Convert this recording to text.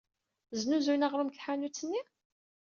Snuzuyen aɣrum deg tḥanut-nni?